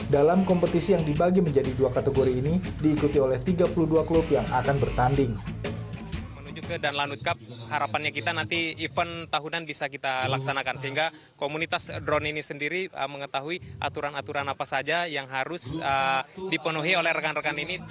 dalam kompetisi yang dibagi menjadi dua kategori ini diikuti oleh tiga puluh dua klub yang akan bertanding